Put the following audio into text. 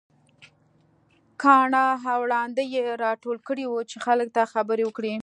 کاڼه او ړانده يې راټول کړي وو چې خلک ته خبرې وکړي.